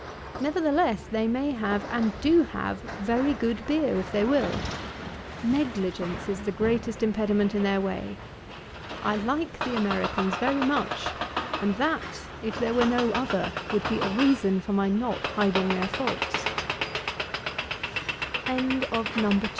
Nevertheless, they may have, and do have, very good beer if they will. Negligence is the greatest impediment in their way. I like the Americans very much; and that, if there were no other, would be a reason for my not hiding their faults. No. III.